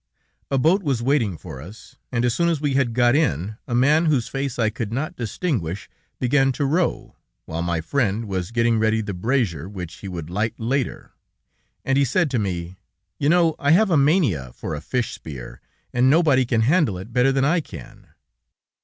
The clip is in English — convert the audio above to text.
A boat was waiting for us, and as soon as we had got in, a man whose face I could not distinguish, began to row, while my friend was getting ready the brazier which he would light later, and he said to me: "You know I have a mania for a fish spear, and nobody can handle it better than I can."